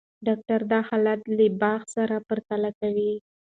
ډاکټره دا حالت له باغ سره پرتله کوي.